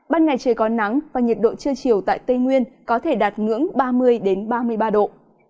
ban ngày trời có nắng và nhiệt độ trưa chiều tại tây nguyên có thể đạt ngưỡng ba mươi ba mươi ba độ